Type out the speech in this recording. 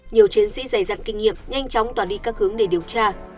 nhiều chiến sĩ dày dặn kinh nghiệm nhanh chóng toàn đi các hướng để điều tra